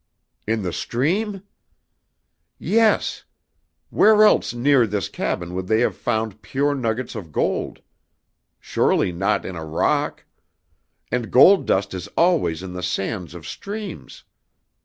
"In the stream?" "Yes. Where else near this cabin would they have found pure nuggets of gold? Surely not in rock! And gold dust is always in the sands of streams.